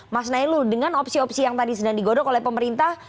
mas nailul dengan opsi opsi yang tadi sedang digodok oleh pemerintah